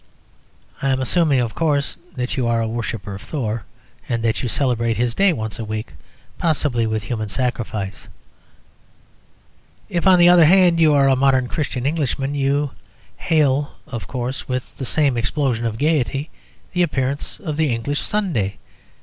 I am assuming (of course) that you are a worshipper of Thor, and that you celebrate his day once a week, possibly with human sacrifice. If, on the other hand, you are a modern Christian Englishman, you hail (of course) with the same explosion of gaiety the appearance of the English Sunday.